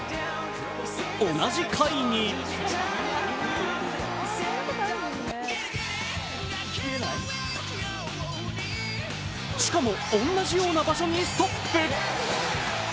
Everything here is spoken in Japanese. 同じ回にしかも、おんなじような場所にストップ。